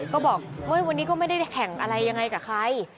ก็บอกวันนี้ก็ไม่ได้แข่งอะไรยังไงกับใคร